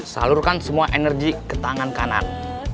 salurkan semua energi ke tangan kanan